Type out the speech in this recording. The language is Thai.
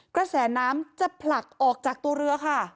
กระแสน้ำจะผลักออกจากตัวเรือค่ะ